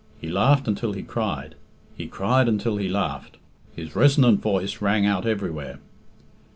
He laughed until he cried; he cried until he laughed. His resonant voice rang out everywhere.